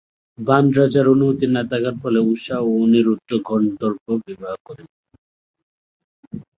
বান রাজার অনুমতি না থাকার ফলে উষা ও অনিরুদ্ধ গন্ধর্ব বিবাহ করেন।